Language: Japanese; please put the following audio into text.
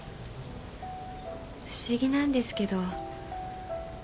不思議なんですけど。